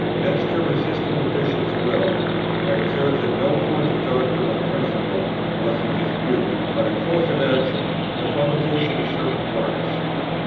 As to resisting the Bishop's will, I observe that no point of doctrine or principle was in dispute, but a course of action, the publication of certain works.